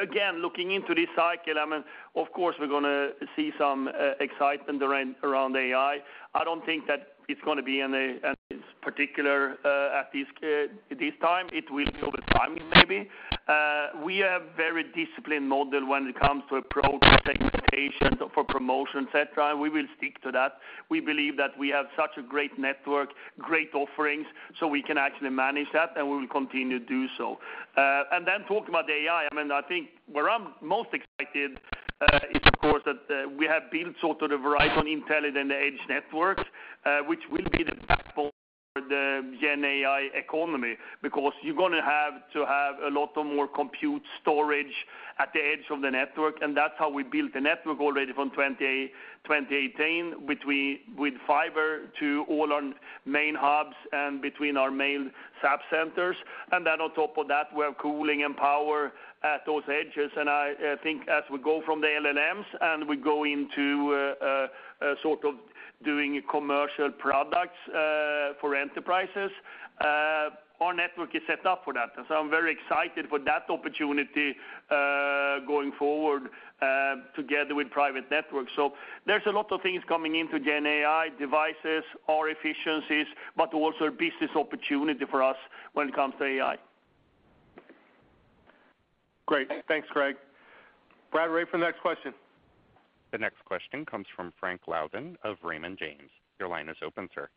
Again, looking into this cycle, I mean, of course, we're gonna see some excitement around AI. I don't think that it's gonna be any particular at this time. It will be over time, maybe. We are a very disciplined model when it comes to approach, segmentation, for promotion, et cetera, and we will stick to that. We believe that we have such a great network, great offerings, so we can actually manage that, and we will continue to do so. And then talking about the AI, I mean, I think where I'm most excited, of course, that we have built sort of the Verizon Intelligent and the Edge networks, which will be the backbone for the Gen AI economy, because you're gonna have to have a lot of more compute storage at the edge of the network, and that's how we built the network already from 2018 with fiber to all our main hubs and between our main sub centers. And then on top of that, we have cooling and power at those edges. And I think as we go from the LLMs, and we go into sort of doing commercial products for enterprises, our network is set up for that. And so I'm very excited for that opportunity going forward together with private networks. There's a lot of things coming into Gen AI, devices or efficiencies, but also a business opportunity for us when it comes to AI. Great. Thanks, Greg. Brady, ready for the next question? The next question comes from Frank Louthan of Raymond James. Your line is open, sir.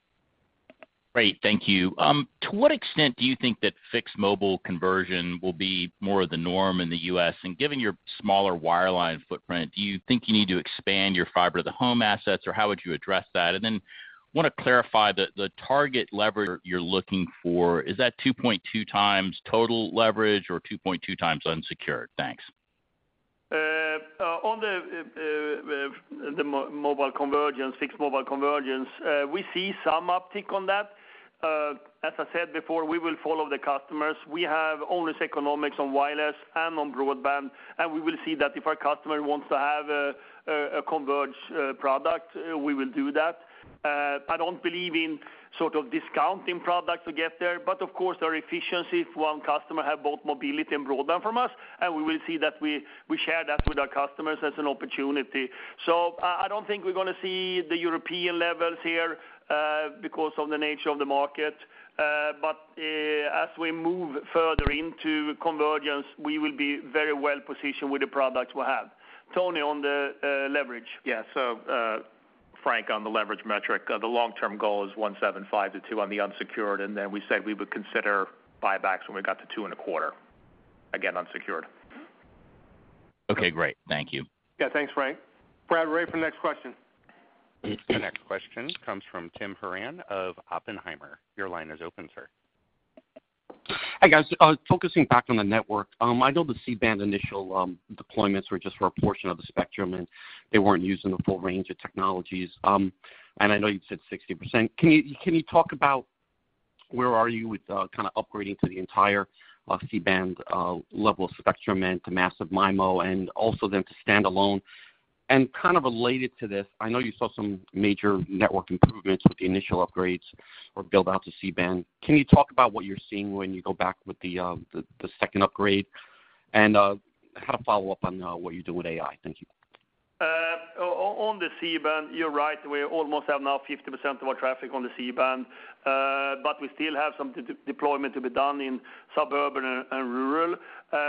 Great, thank you. To what extent do you think that fixed-mobile convergence will be more of the norm in the U.S.? And given your smaller wireline footprint, do you think you need to expand your fiber to the home assets, or how would you address that? And then wanna clarify the target leverage you're looking for, is that 2.2x total leverage or 2.2x unsecured? Thanks. On the mobile convergence, fixed-mobile convergence, we see some uptick on that. As I said before, we will follow the customers. We have owners' economics on wireless and on broadband, and we will see that if our customer wants to have a converged product, we will do that. I don't believe in sort of discounting products to get there, but of course, there are efficiencies when customer have both mobility and broadband from us, and we will see that we share that with our customers as an opportunity. So I don't think we're gonna see the European levels here, because of the nature of the market. But as we move further into convergence, we will be very well positioned with the products we have. Tony, on the leverage. Yeah. So, Frank, on the leverage metric, the long-term goal is 1.75-2 on the unsecured, and then we said we would consider buybacks when we got to 2.25, again, unsecured. Okay, great. Thank you. Yeah. Thanks, Frank. Brad, we're ready for the next question. The next question comes from Tim Horan of Oppenheimer. Your line is open, sir. Hi, guys, focusing back on the network. I know the C-band initial deployments were just for a portion of the spectrum, and they weren't using the full range of technologies. And I know you'd said 60%. Can you, can you talk about where are you with kind of upgrading to the entire C-band level of spectrum and to massive MIMO, and also then to standalone? And kind of related to this, I know you saw some major network improvements with the initial upgrades or build out to C-band. Can you talk about what you're seeing when you go back with the second upgrade? And I had a follow-up on what you do with AI. Thank you. On the C-band, you're right. We almost have now 50% of our traffic on the C-band, but we still have some deployment to be done in suburban and rural.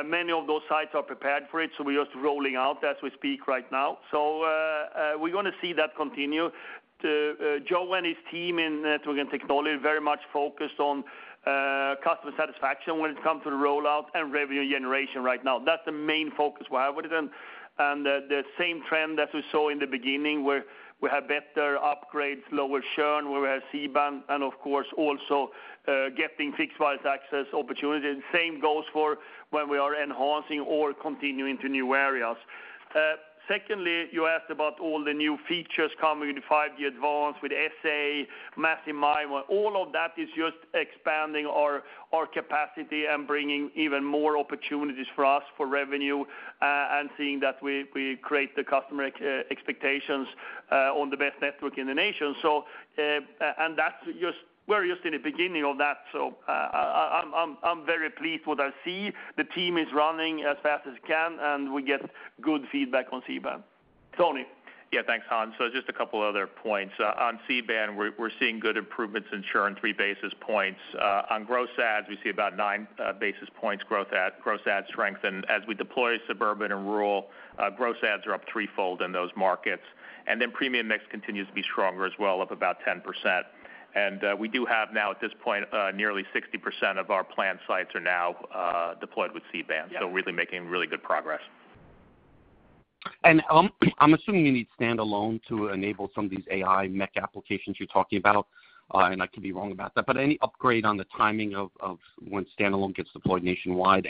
Many of those sites are prepared for it, so we're just rolling out as we speak right now. So, we're gonna see that continue. To Joe and his team in network and technology are very much focused on customer satisfaction when it comes to the rollout and revenue generation right now. That's the main focus we have with them. And the same trend that we saw in the beginning, where we have better upgrades, lower churn, where we have C-band, and of course, also getting fixed wireless access opportunity. The same goes for when we are enhancing or continuing to new areas. Secondly, you asked about all the new features coming in the 5G Advanced with SA, massive MIMO. All of that is just expanding our capacity and bringing even more opportunities for us for revenue, and seeing that we create the customer expectations on the best network in the nation. So, that's just... We're just in the beginning of that, so, I'm very pleased with what I see. The team is running as fast as can, and we get good feedback on C-band Tony? Yeah, thanks, Hans. So just a couple other points. On C-band, we're seeing good improvements in churn, 3 basis points. On gross adds, we see about 9 basis points growth at gross adds strength. And as we deploy suburban and rural, gross adds are up threefold in those markets. And then premium mix continues to be stronger as well, up about 10%. And we do have now, at this point, nearly 60% of our planned sites are now deployed with C-band. Yeah. We're really making really good progress. I'm assuming you need standalone to enable some of these AI/MEC applications you're talking about, and I could be wrong about that. But any upgrade on the timing of when standalone gets deployed nationwide?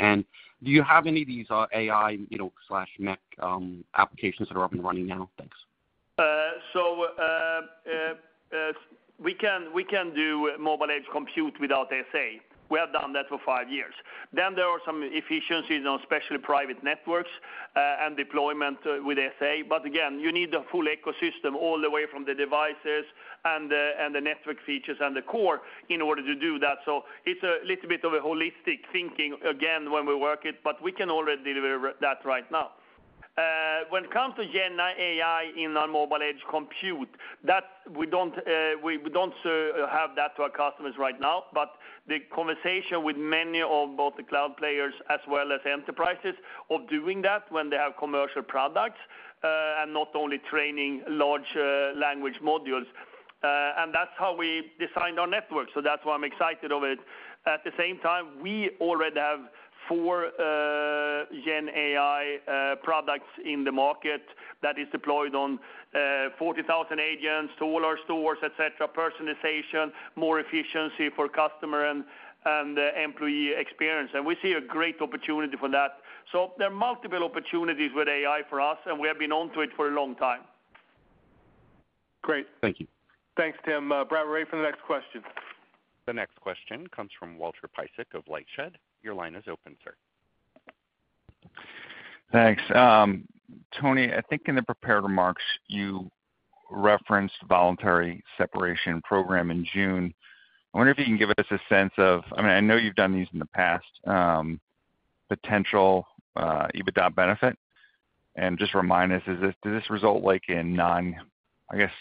Do you have any of these, AI, you know, MEC, applications that are up and running now? Thanks. So, we can, we can do mobile edge compute without SA. We have done that for five years. Then there are some efficiencies on especially private networks, and deployment with SA. But again, you need the full ecosystem all the way from the devices and the network features, the core in order to do that. So it's a little bit of a holistic thinking again, when we work it, but we can already deliver that right now. When it comes to Gen AI in our mobile edge compute, that we don't, we, we don't have that to our customers right now, but the conversation with many of both the cloud players as well as enterprises of doing that when they have commercial products, and not only training large language models.... And that's how we designed our network, so that's why I'm excited of it. At the same time, we already have 4, GenAI, products in the market that is deployed on, 40,000 agents to all our stores, et cetera. Personalization, more efficiency for customer and, and employee experience, and we see a great opportunity for that. So there are multiple opportunities with AI for us, and we have been onto it for a long time. Great. Thank you. Thanks, Tim. Brad, we're ready for the next question. The next question comes from Walter Piecyk of LightShed. Your line is open, sir. Thanks. Tony, I think in the prepared remarks, you referenced Voluntary Separation Program in June. I wonder if you can give us a sense of—I mean, I know you've done these in the past, potential EBITDA benefit, and just remind us, did this result, like, in non... I guess,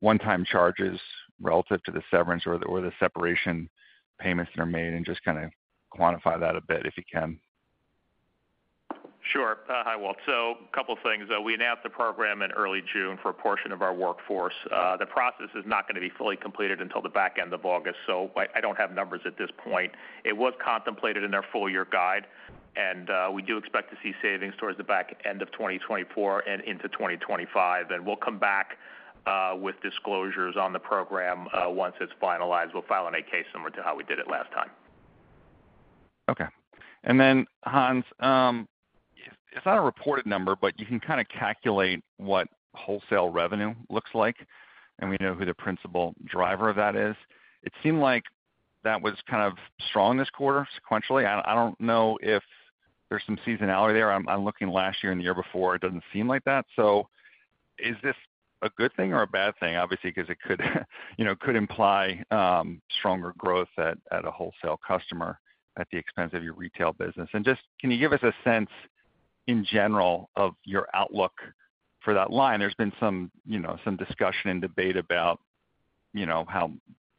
one-time charges relative to the severance or the, or the separation payments that are made, and just kinda quantify that a bit, if you can? Sure. Hi, Walt. So couple things, we announced the program in early June for a portion of our workforce. The process is not gonna be fully completed until the back end of August, so I don't have numbers at this point. It was contemplated in their full year guide, and we do expect to see savings towards the back end of 2024 and into 2025. We'll come back with disclosures on the program once it's finalized. We'll file an 8-K similar to how we did it last time. Okay. And then, Hans, it's not a reported number, but you can kinda calculate what wholesale revenue looks like, and we know who the principal driver of that is. It seemed like that was kind of strong this quarter, sequentially. I, I don't know if there's some seasonality there. I'm, I'm looking last year and the year before, it doesn't seem like that. So is this a good thing or a bad thing? Obviously, because it could, you know, could imply stronger growth at, at a wholesale customer at the expense of your retail business. And just, can you give us a sense, in general, of your outlook for that line? There's been some, you know, some discussion and debate about, you know, how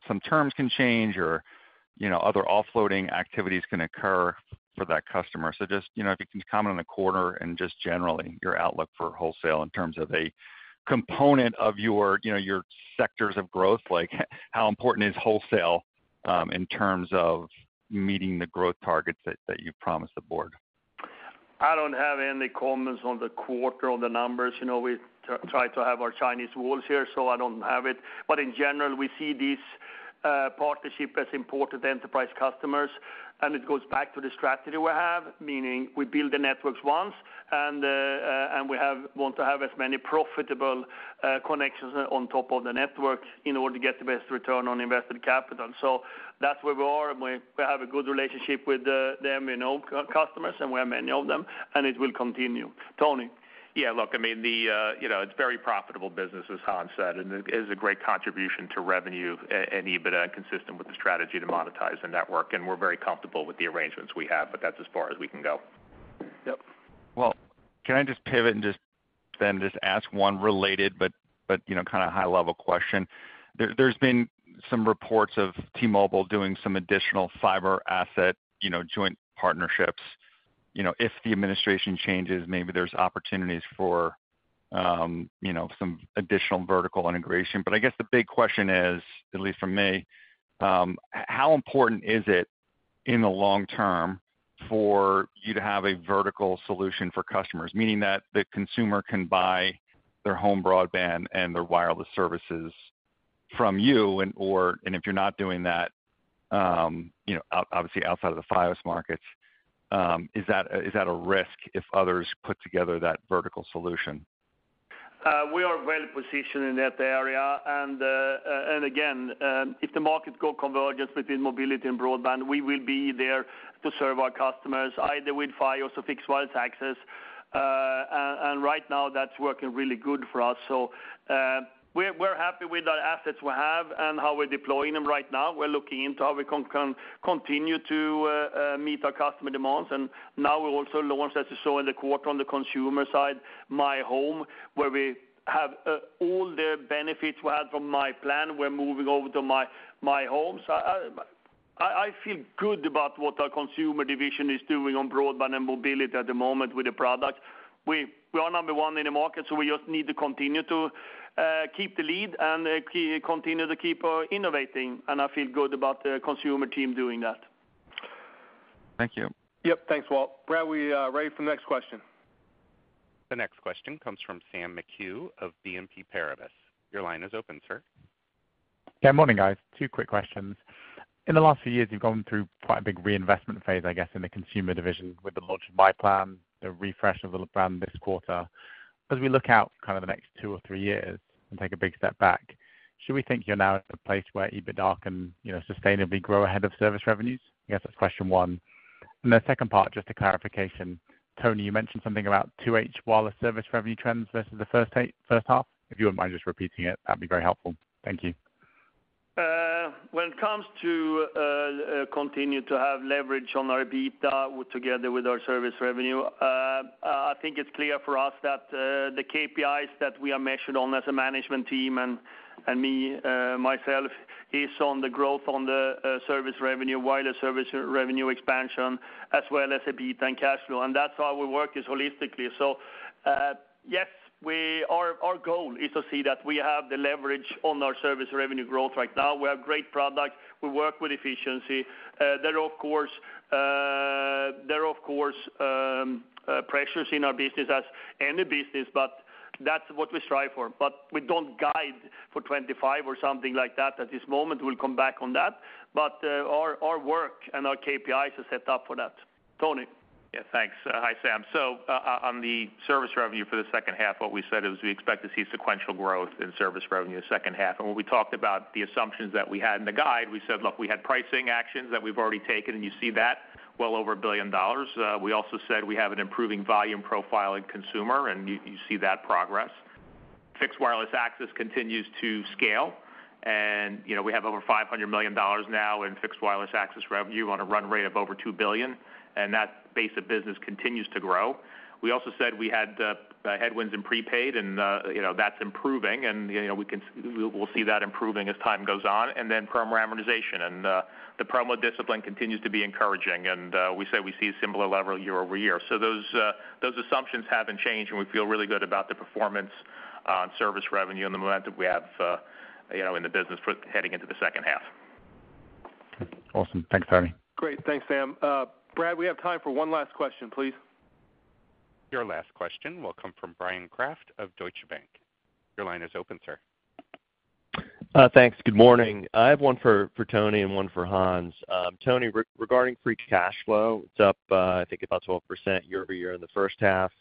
some terms can change or, you know, other offloading activities can occur for that customer. So just, you know, if you can comment on the quarter and just generally, your outlook for wholesale in terms of a component of your, you know, your sectors of growth, like, how important is wholesale, in terms of meeting the growth targets that you've promised the board? I don't have any comments on the quarter or the numbers. You know, we try to have our Chinese walls here, so I don't have it. But in general, we see this partnership as important enterprise customers, and it goes back to the strategy we have. Meaning, we build the networks once, and we want to have as many profitable connections on top of the network in order to get the best return on invested capital. So that's where we are, and we have a good relationship with them, you know, customers, and we have many of them, and it will continue. Tony? Yeah, look, I mean, the, you know, it's very profitable business, as Hans said, and it is a great contribution to revenue and EBITDA, and consistent with the strategy to monetize the network, and we're very comfortable with the arrangements we have, but that's as far as we can go. Yep. Well, can I just pivot and just then just ask one related, but you know, kinda high level question? There's been some reports of T-Mobile doing some additional fiber asset, you know, joint partnerships. You know, if the administration changes, maybe there's opportunities for, you know, some additional vertical integration. But I guess the big question is, at least from me, how important is it in the long term for you to have a vertical solution for customers? Meaning that the consumer can buy their home broadband and their wireless services from you, and/or. And if you're not doing that, you know, obviously outside of the Fios markets, is that a risk if others put together that vertical solution? We are well positioned in that area, and again, if the markets go convergence between mobility and broadband, we will be there to serve our customers, either with Fios or fixed wireless access. And right now, that's working really good for us. We're happy with the assets we have and how we're deploying them right now. We're looking into how we can continue to meet our customer demands, and now we're also launched, as you saw in the quarter, on the consumer side, myHome, where we have all the benefits we had from myPlan, we're moving over to myHome. I feel good about what our consumer division is doing on broadband and mobility at the moment with the product. We are number one in the market, so we just need to continue to keep the lead and continue to keep innovating, and I feel good about the consumer team doing that. Thank you. Yep. Thanks, Walt. Brad, we are ready for the next question. The next question comes from Sam McHugh of BNP Paribas. Your line is open, sir. Yeah, morning, guys. Two quick questions. In the last few years, you've gone through quite a big reinvestment phase, I guess, in the consumer division with the launch of myPlan, the refresh of the brand this quarter. As we look out kind of the next two or three years and take a big step back, should we think you're now at a place where EBITDA can, you know, sustainably grow ahead of service revenues? I guess that's question one. And the second part, just a clarification. Tony, you mentioned something about 2H wireless service revenue trends versus the first half. If you wouldn't mind just repeating it, that'd be very helpful. Thank you. When it comes to continue to have leverage on our EBITDA together with our service revenue, I think it's clear for us that the KPIs that we are measured on as a management team, and, and me, myself, is on the growth on the service revenue, wireless service revenue expansion, as well as EBITDA and cash flow, and that's how we work, is holistically. So, yes, our, our goal is to see that we have the leverage on our service revenue growth right now. We have great products. We work with efficiency. There are of course, of course, pressures in our business as any business, but that's what we strive for. But we don't guide for 25 or something like that at this moment. We'll come back on that. But, our work and our KPIs are set up for that. Tony? Yeah, thanks. Hi, Sam. So, on the service revenue for the second half, what we said is we expect to see sequential growth in service revenue the second half. And when we talked about the assumptions that we had in the guide, we said, look, we had pricing actions that we've already taken, and you see that, well over $1 billion. We also said we have an improving volume profile in consumer, and you see that progress. Fixed wireless access continues to scale, and, you know, we have over $500 million now in fixed wireless access revenue on a run rate of over $2 billion, and that base of business continues to grow. We also said we had headwinds in prepaid, and, you know, that's improving and, you know, we can-- we'll see that improving as time goes on. And then Promo amortization, and the Promo discipline continues to be encouraging, and we say we see a similar level year-over-year. So those assumptions haven't changed, and we feel really good about the performance on service revenue and the momentum we have, you know, in the business for heading into the second half. Awesome. Thanks, Tony. Great. Thanks, Sam. Brad, we have time for one last question, please. Your last question will come from Bryan Kraft of Deutsche Bank. Your line is open, sir. Thanks. Good morning. I have one for, for Tony and one for Hans. Tony, regarding free cash flow, it's up, I think, about 12% year-over-year in the first half.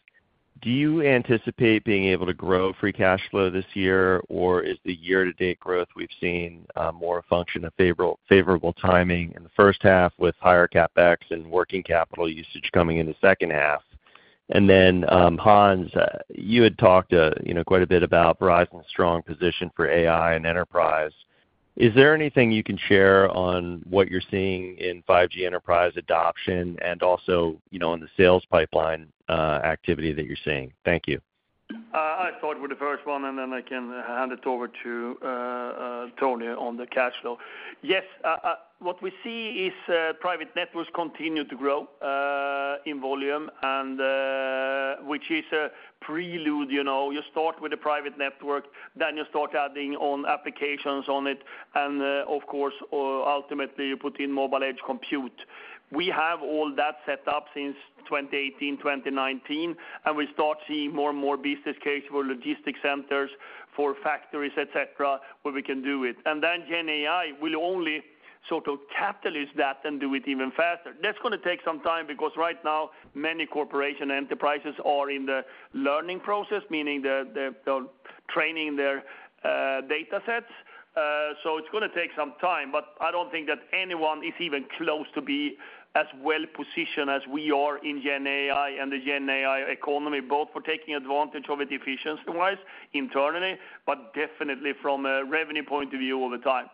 Do you anticipate being able to grow free cash flow this year, or is the year-to-date growth we've seen more a function of favorable, favorable timing in the first half, with higher CapEx and working capital usage coming in the second half? And then, Hans, you had talked, you know, quite a bit about Verizon's strong position for AI and enterprise. Is there anything you can share on what you're seeing in 5G enterprise adoption and also, you know, on the sales pipeline, activity that you're seeing? Thank you. I'll start with the first one, and then I can hand it over to Tony on the cash flow. Yes, what we see is private networks continue to grow in volume, and which is a prelude, you know. You start with a private network, then you start adding on applications on it, and of course, ultimately, you put in mobile edge computing. We have all that set up since 2018, 2019, and we start seeing more and more business case for logistics centers, for factories, et cetera, where we can do it. And then GenAI will only sort of capitalize that and do it even faster. That's gonna take some time because right now, many corporation enterprises are in the learning process, meaning they're training their data sets. So it's gonna take some time, but I don't think that anyone is even close to be as well positioned as we are in GenAI and the GenAI economy, both for taking advantage of it efficiency-wise internally, but definitely from a revenue point of view all the time.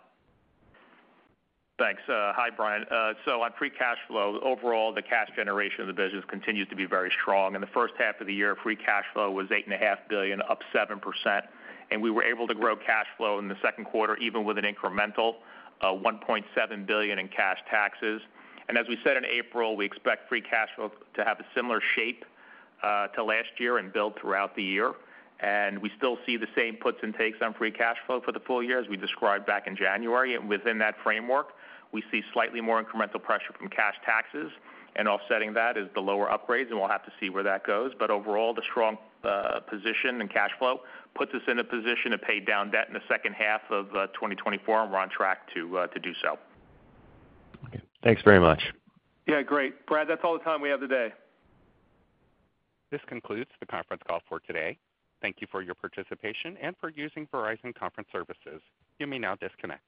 Thanks. Hi, Brian. So on free cash flow, overall, the cash generation of the business continues to be very strong. In the first half of the year, free cash flow was $8.5 billion, up 7%, and we were able to grow cash flow in the second quarter, even with an incremental $1.7 billion in cash taxes. And as we said in April, we expect free cash flow to have a similar shape to last year and build throughout the year. And we still see the same puts and takes on free cash flow for the full year as we described back in January. And within that framework, we see slightly more incremental pressure from cash taxes, and offsetting that is the lower upgrades, and we'll have to see where that goes. But overall, the strong position and cash flow puts us in a position to pay down debt in the second half of 2024, and we're on track to do so. Thanks very much. Yeah, great. Brad, that's all the time we have today. This concludes the conference call for today. Thank you for your participation and for using Verizon Conference Services. You may now disconnect.